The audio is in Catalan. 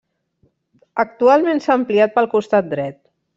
Actualment s'ha ampliat pel costat dret.